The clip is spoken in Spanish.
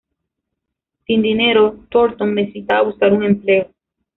Sin dinero, Thornton necesitaba buscar un empleo.